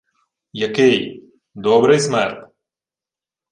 — Який? Добрий смерд.